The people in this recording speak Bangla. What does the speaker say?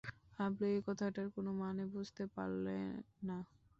হাবলু এ কথাটার কোনো মানে বুঝতে পারলে না।